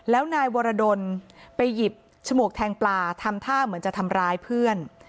แล้วนายวรดลไปหยิบฉมวกแทงปลาทำท่าเหมือนจะทำร้ายเพื่อน